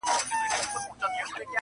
• ضميرونه لا هم بې قراره دي..